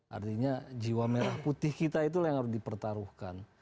artinya jiwa merah putih kita itulah yang harus dipertaruhkan